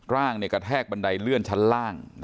ร่างกระแทกบันไดเลื่อนชั้นล่าง